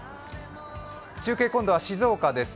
中継、今度は静岡です。